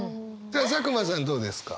佐久間さんどうですか？